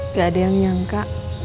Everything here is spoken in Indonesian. nggak ada yang nyangka